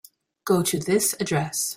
Go to this address.